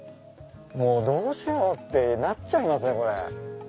もうどうしようってなっちゃいますねこれ。